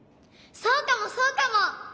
そうかもそうかも！